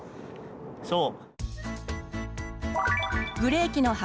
そう。